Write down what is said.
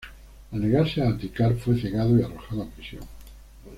Al negarse a abdicar, fue cegado y arrojado a prisión.